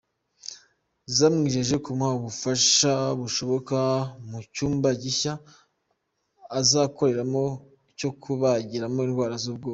Zamwijeje kumuha ubufasha bushoboka mu cyumba gishya azakoreramo cyo kubagiramo indwara z’ubwonko.